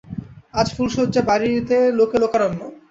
আজ ফুলশয্যে, বাড়িতে লোকে লোকারণ্য।